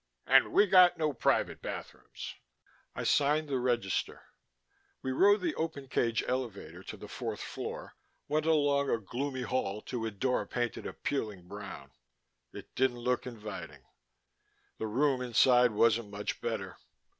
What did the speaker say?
And we got no private bathrooms." I signed the register. We rode the open cage elevator to the fourth floor, went along a gloomy hall to a door painted a peeling brown. It didn't look inviting; the room inside wasn't much better.